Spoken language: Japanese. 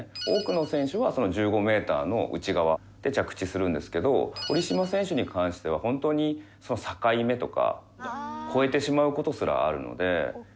多くの選手はその１５メーターの内側で着地するんですけど堀島選手に関しては、本当にその境目とか越えてしまう事すらあるので。